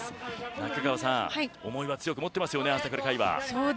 中川さん、思いは強く持っていますよね、朝倉海は。